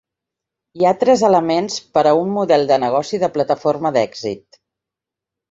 Hi ha tres elements per a un model de negoci de plataforma d'èxit.